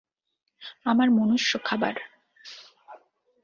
আমার মনুষ্য খাবার।